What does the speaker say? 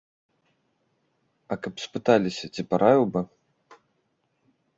А каб спыталіся, ці параіў бы?